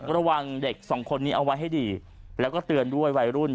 ระวังเด็กสองคนนี้เอาไว้ให้ดีแล้วก็เตือนด้วยวัยรุ่น